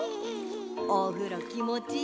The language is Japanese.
おふろきもちいいもんね。